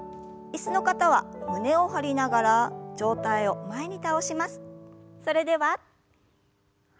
椅子の方は胸を張りながら上体を前に。